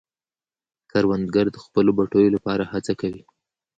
کروندګر د خپلو پټیو لپاره هڅه کوي